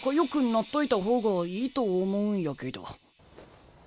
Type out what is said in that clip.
なっといた方がいいと思うんやけど。